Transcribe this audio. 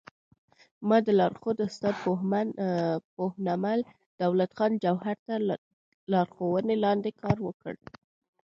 ما د لارښود استاد پوهنمل دولت خان جوهر تر لارښوونې لاندې کار وکړ